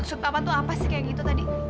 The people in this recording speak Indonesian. maksud papa tuh apa sih kayak gitu tadi